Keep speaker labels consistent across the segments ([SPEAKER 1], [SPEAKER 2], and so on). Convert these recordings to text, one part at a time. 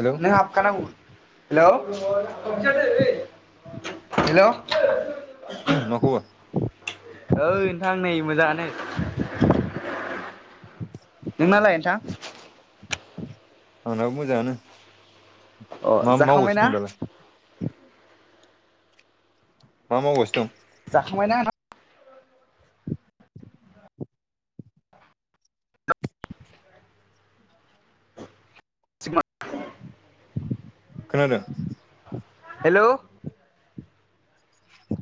[SPEAKER 1] Hello
[SPEAKER 2] नों हाबखानांगौ hello [unintelligible] hello
[SPEAKER 1] मा खबर
[SPEAKER 2] ओइ नोंथां नै मोजांङानो [unintelligible] नोंनालाय नोंथां
[SPEAKER 1] आंनाबो मोजाङानो
[SPEAKER 2] अ
[SPEAKER 1] मा मावगासिनो
[SPEAKER 2] जाखांबायना
[SPEAKER 1] दं दालाय मा मावगासिनो दं
[SPEAKER 2] जाखांबायना नोंथां [unintelligible]
[SPEAKER 1] [inaudible] खोनादों
[SPEAKER 2] हेलौ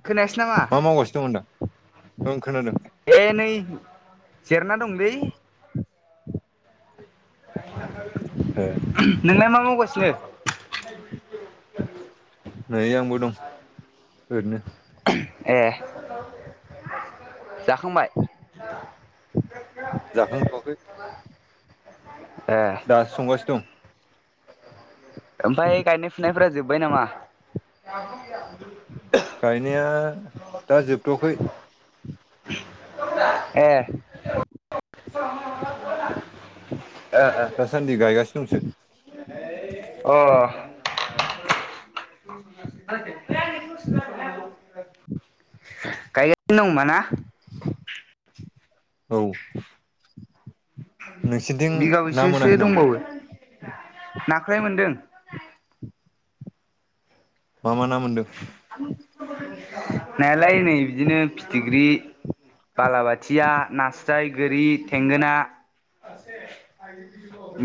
[SPEAKER 2] खोनायासै नामा
[SPEAKER 1] मा मावगासिनो दं होनदां ओं खोनादों
[SPEAKER 2] ए नै जिरायना दंलै [inaudible]
[SPEAKER 1] ए
[SPEAKER 2] [inaudible] नोंलाय मा मावगासिनो
[SPEAKER 1] नै आंबो दं ओरैनो
[SPEAKER 2] ए जाखांबाय
[SPEAKER 1] जाखांथ'वाखै
[SPEAKER 2] ए
[SPEAKER 1] दासो संगासिनो दं
[SPEAKER 2] ओमफ्राय गायनाय फुनायफोरा जोब्बाय नामा
[SPEAKER 1] गायनाया दा जोबथ'याखै
[SPEAKER 2] ए ओ
[SPEAKER 1] दासान्दि
[SPEAKER 2] हो
[SPEAKER 1] गायगासिनो दंसो
[SPEAKER 2] अ गायगासिनो दं होमबा ना
[SPEAKER 1] औ नोंसिनिथिं ना
[SPEAKER 2] बिगाबैसोसो
[SPEAKER 1] मोनाखै नामा
[SPEAKER 2] दंबावो नाख्राय मोनदों
[SPEAKER 1] मा मा ना मोनदों
[SPEAKER 2] नायालाय नै बिदिनो फिथिग्रि बालाबाथिया नास्राय गोरि थेंगोना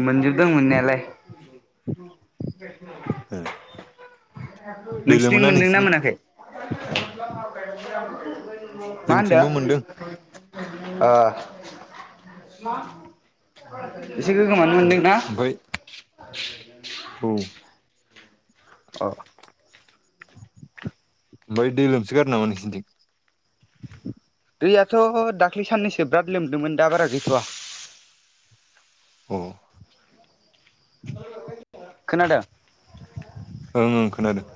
[SPEAKER 2] मोनजोबदों मोननायालाय
[SPEAKER 1] दैल'
[SPEAKER 2] नोंसिथि
[SPEAKER 1] मोना
[SPEAKER 2] मोनदोंना
[SPEAKER 1] नोंसिनिथिं
[SPEAKER 2] मोनाखै मा होनदों
[SPEAKER 1] जोंथिंबो मोनदों
[SPEAKER 2] अ एसे गोगोमानो मोनदोंना
[SPEAKER 1] ओमफ्राय औ
[SPEAKER 2] औ
[SPEAKER 1] बै दै लोबसो गारदों नामा नोंसिनिथिं
[SPEAKER 2] दैयाथ' दाख्लै साननैसो बिराद लोमदोंमोन दा बारा गैथ'वा
[SPEAKER 1] अ
[SPEAKER 2] खोनादों
[SPEAKER 1] ओं ओं खोनादों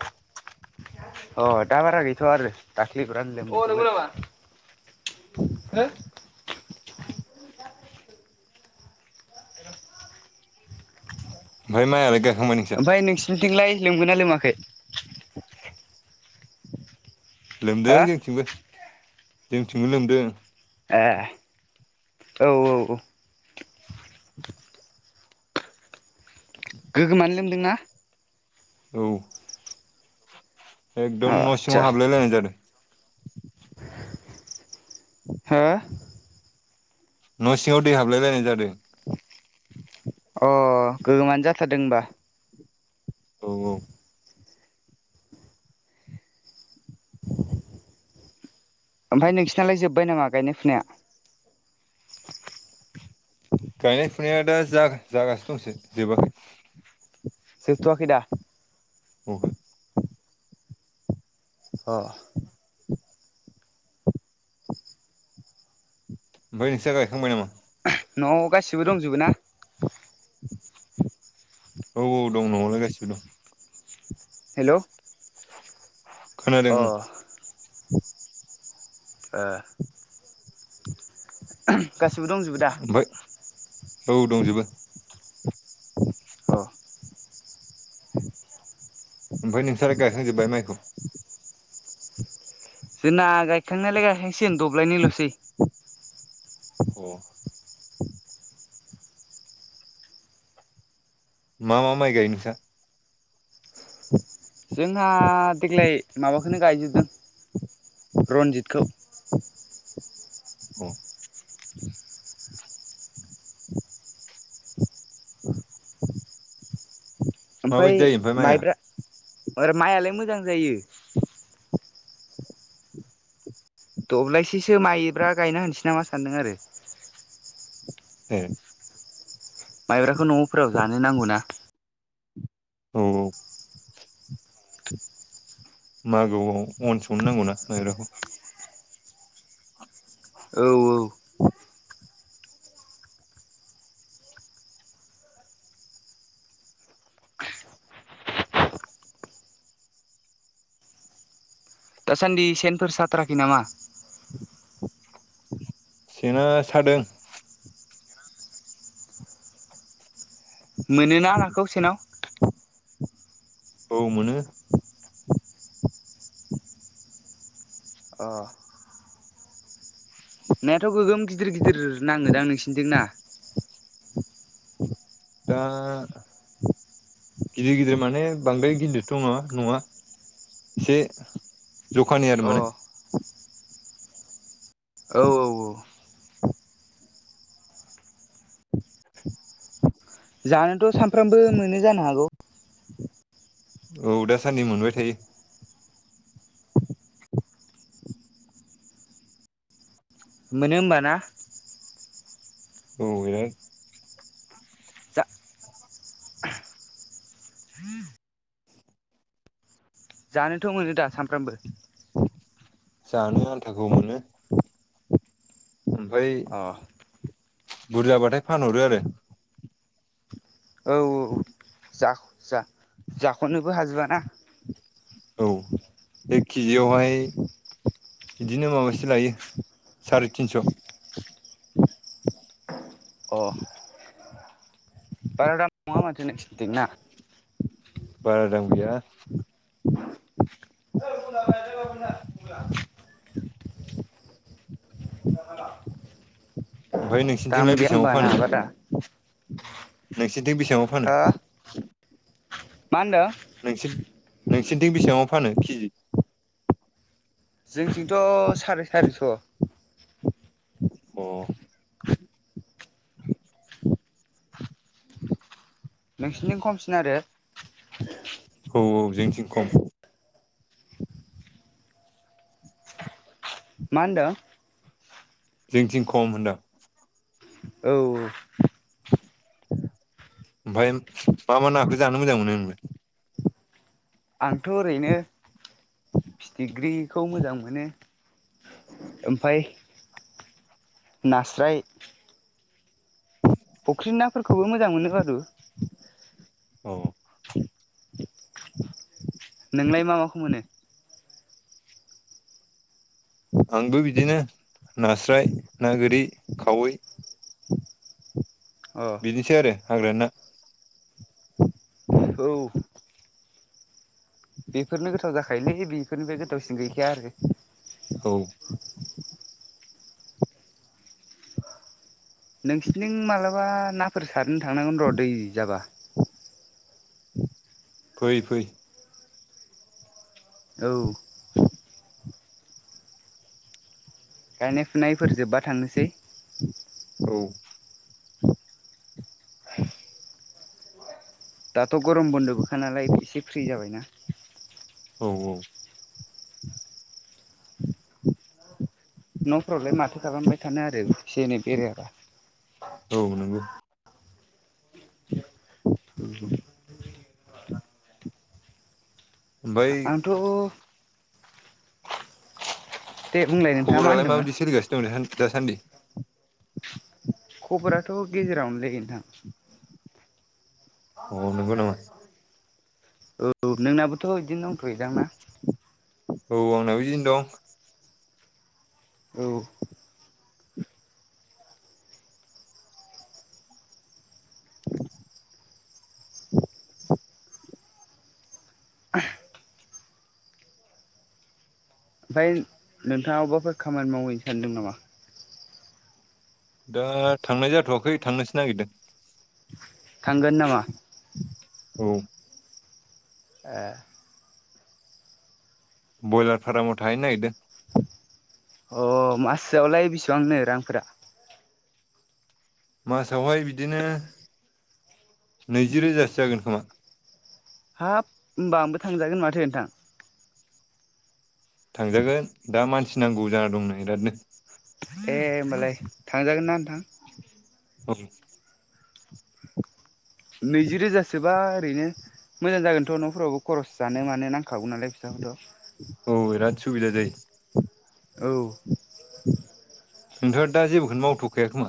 [SPEAKER 2] अ दा बारा गैथ'आ आरो दाखलि बिराद लोम अ नंगौ नामा हो
[SPEAKER 1] बाय मायालाय गायखां
[SPEAKER 2] ओमफ्राय नोंसिनिथिंलाय लोंमोना लोमाखै
[SPEAKER 1] लोमदों
[SPEAKER 2] हो
[SPEAKER 1] जोंथिंबो जोंथिंबो लोमदों
[SPEAKER 2] ए औ औ औ गोगोमानो लोमदोंना
[SPEAKER 1] औ
[SPEAKER 2] अ
[SPEAKER 1] एकदम न'
[SPEAKER 2] आदसा
[SPEAKER 1] सिङाव हाबलाय लायनाय जादों
[SPEAKER 2] हो
[SPEAKER 1] [unintelligible] न' सिङाव दै हाबलाय लायनाय जादों
[SPEAKER 2] अ गोोमानो जाथारदों होनबा
[SPEAKER 1] औ औ
[SPEAKER 2] ओमफ्राय नोंसिनालाय जोब्बाय नामा गायनाय फुनाया
[SPEAKER 1] गायनाय फुनाया दा जागासिनो दंसै जोबाखै
[SPEAKER 2] सफथ'का
[SPEAKER 1] औ
[SPEAKER 2] अ
[SPEAKER 1] ओमफ्राय निस गायखांबायाय नामा
[SPEAKER 2] न'आव गासिबो दंजोबो ना
[SPEAKER 1] औ औ दं न'आवलाय गासिबो दं
[SPEAKER 2] हेल' अ
[SPEAKER 1] खोनादों
[SPEAKER 2] ओ। गासिबो दंजोबो दा।
[SPEAKER 1] ओमफ्राय औ दंजोबो।
[SPEAKER 2] औ।
[SPEAKER 1] ओमफ्राय नोंसा गायखां जोबबाय माइखौ?
[SPEAKER 2] जोंना गायखांनायालाय गायखांसिगोन दब्लायनै लसै।
[SPEAKER 1] औ मा मा माइ गायो नोंसा?
[SPEAKER 2] जोंहा देग्लाय माबाखनो गायजोबदों। रन्जितखौ।
[SPEAKER 1] औ। औ।
[SPEAKER 2] ओमफफ्राय माइब्रा माइआलाय मोजां जायो दब्लायसेसो माइब्रा गायना होनोसै नामा सानदों आरो।
[SPEAKER 1] हे।
[SPEAKER 2] माइब्राखौ न'फोराव जानो नांगौ ना।
[SPEAKER 1] औ औ। मागोआव अन संनो नांगौना माइब्राखौ।
[SPEAKER 2] औ औ। दासान्दि सेनफोर साथाराखै नामा?
[SPEAKER 1] सेना सादों।
[SPEAKER 2] मोनोना नाखौ सेनाव?
[SPEAKER 1] औ मोनो।
[SPEAKER 2] ओ। नायाथ' गोगोम गिदिर गिदिर नाङोदां नोंसिनिजों ना?
[SPEAKER 1] दा गिदिर गिदिर माने बांद्राय गिदिरथ' नङा नङा एसे जखानि आरो
[SPEAKER 2] अ
[SPEAKER 1] माने।
[SPEAKER 2] औ औ
[SPEAKER 1] [unintelligible]
[SPEAKER 2] जानोथ' सानफ्रामबो मोनो जानो हागौ
[SPEAKER 1] औ दासान्दि मोनबाय थायो।
[SPEAKER 2] मोनो होमब ना?
[SPEAKER 1] औ बे।
[SPEAKER 2] दा। ह। जानोथ' मोनो दा सामफ्रामबो?
[SPEAKER 1] जानो आन्थाखौ मोनो। ओमफ्राय
[SPEAKER 2] अ
[SPEAKER 1] बुरजा बाथाय फानहरो आरो।
[SPEAKER 2] औ औ जा जाख'नोबो हाजोबआना।
[SPEAKER 1] औ बे केजियावहाय बिदिनो माबासे लायो साराय तिनस'
[SPEAKER 2] अ
[SPEAKER 1] उ
[SPEAKER 2] बारा दाम नंआ माथो नोंसोरनिथिं ना?
[SPEAKER 1] बार दाम गैया। [inaudible] ओमफ्राय
[SPEAKER 2] दाम
[SPEAKER 1] नोंसिनिथिंलाय
[SPEAKER 2] गैया होमबा
[SPEAKER 1] बेसेबांआव
[SPEAKER 2] ना बारा
[SPEAKER 1] फानो? सिथिं बेसांआव
[SPEAKER 2] हो
[SPEAKER 1] फानो?
[SPEAKER 2] मा होनद?
[SPEAKER 1] नों नोंसिोरनिथिं बेसेबां फानो केजि?
[SPEAKER 2] जोंथिंथ' साराय सारिस'।
[SPEAKER 1] अ। [unintelligible]
[SPEAKER 2] नोंसिनि खमसिन आरो।
[SPEAKER 1] औ -औ, जोंथिं खम।
[SPEAKER 2] मा होनदो?
[SPEAKER 1] जोंथिं खम होनदां।
[SPEAKER 2] औ।
[SPEAKER 1] ओमफ्राय मा -मा नाखौ जानो मोजां मोनो नोंलाय?
[SPEAKER 2] आंथ' ओरैनो फिथिग्रिखौ मोजां मोनो ।ओमफाय नास्राय फुख्रि नाफोरखौबो मोजां मोनो बारु।
[SPEAKER 1] औ।
[SPEAKER 2] नोंलाय मा माखौ मोनो?
[SPEAKER 1] आंबो बिदिनो नास्राय ना, गोरि, खावै
[SPEAKER 2] अ
[SPEAKER 1] बिनोसै आरो हाग्रानि ना।
[SPEAKER 2] औ। बेफोरनो गोथाव जाखायोलै, बेफोरनिफ्राय गोथावसिन गैखाया आरो।
[SPEAKER 1] औ।
[SPEAKER 2] नोंसिनिथिं माब्लाबा नाफोर सारनो थांनांगोन र' दै जाबा।
[SPEAKER 1] फै -फै।
[SPEAKER 2] औ। गायनाय -फुनायफोर जोब्बा थांनोसै।
[SPEAKER 1] औ।
[SPEAKER 2] दाथ' गरम बन्द'बोखा नालाय एसे फ्रि जाबायना।
[SPEAKER 1] औ- औ।
[SPEAKER 2] न'फ्रावलाय माथो खालामबाय थानो आरो एसे -एनै बेरायाबा।
[SPEAKER 1] औ नंगौ। ओमफ्राय
[SPEAKER 2] आंथ' दे बुंलाय नोंथाङा मा
[SPEAKER 1] खबरालाय
[SPEAKER 2] होनदोंमोन
[SPEAKER 1] माबायदि सोलिगासिनो दं नोंथां दासान्दि?
[SPEAKER 2] खबराथ' गेजेरावनोलै नोंथां।
[SPEAKER 1] अ नोंगौ नामा?
[SPEAKER 2] औ नोंनाबोथ' बिदिनो दंथ'योदां ना?
[SPEAKER 1] औ आंना बिदिनो दं।
[SPEAKER 2] औ। ओमफ्राय नोंथाङा अबेबाफोर खामानि मावहैनो सानदों नामा?
[SPEAKER 1] दा थांनाय जाथ'वाखै थांनोसो नागिरदों।
[SPEAKER 2] थांगोन नामा?
[SPEAKER 1] औ
[SPEAKER 2] ए।
[SPEAKER 1] ब्रयलार फार्माव थाहैनो नागिरदों।
[SPEAKER 2] अ मासयावलाय बेसेबांनो रांफोरा?
[SPEAKER 1] मासावहाय बिदिनो नैजि रोजासो जागोन खोमा।
[SPEAKER 2] हाब होमबा आंबो थांजागोन माथो नोंथां।
[SPEAKER 1] थांजागोन दा मानसि नांगौ जाना दंनो बेरादनो।
[SPEAKER 2] दे होमबालाय थांजागोन ना नोंथां?
[SPEAKER 1] [unintelligible]
[SPEAKER 2] नैजि रोजासोबा ओरैनो मोजां जागोनथ' न'फोरावबो खरस जानो मानो नांखागौ नालाय फैसाखौथ'।
[SPEAKER 1] औ बिरात सुबिदा जायो।
[SPEAKER 2] औ।
[SPEAKER 1] नोंथ' दा जेबोखौनो मावथ'खाया खोमा?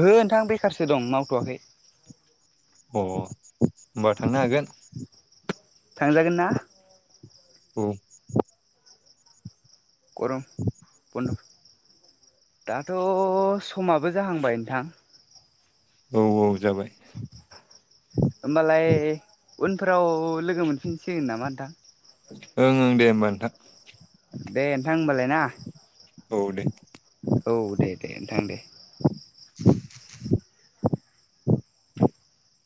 [SPEAKER 2] ओहो नोंथां बेखारसो दं मावथ'वाखै
[SPEAKER 1] अ होनबा थांनो हागोन।
[SPEAKER 2] थांजागोनना?
[SPEAKER 1] औ
[SPEAKER 2] गरम बन दाथ' समाबो जाहांबाय नोंथां
[SPEAKER 1] औ औ जाबाय।
[SPEAKER 2] होमबालाय उनफोराव लोगो मोनफिनसिगोन नामा नोंथां
[SPEAKER 1] ओं ओं दे होमबा नोंथां।
[SPEAKER 2] दे नोंथां होमबालाय ना
[SPEAKER 1] औ दे
[SPEAKER 2] औ दे दे नोंथां दे
[SPEAKER 1] [inaudible]